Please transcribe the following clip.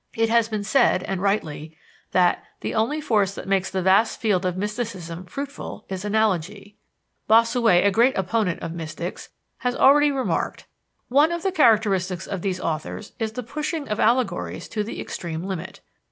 It has been said, and rightly, that "the only force that makes the vast field of mysticism fruitful is analogy." Bossuet, a great opponent of mystics, had already remarked: "One of the characteristics of these authors is the pushing of allegories to the extreme limit."